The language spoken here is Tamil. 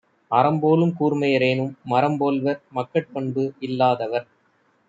அரம்போலும் கூர்மையரேனும், மரம்போல்வர் மக்கட்பண்பு இல்லாதவர்.